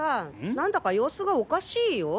何だか様子がおかしいよ？